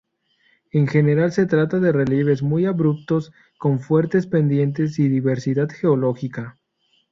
En general se trata de relieves muy abruptos, con fuertes pendientes y diversidad geológica.